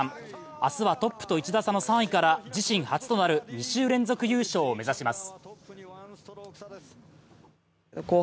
明日はトップと１打差の３位から自身初となる２週連続優勝を目指します。